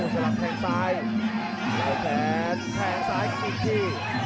สลับแทงซ้ายแทงซ้ายกันอีกที